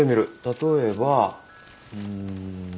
例えばうん。